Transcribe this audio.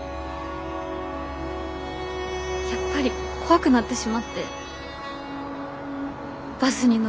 やっぱり怖くなってしまってバスに乗るのをやめて。